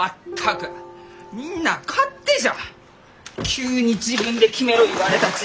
急に「自分で決めろ」言われたち！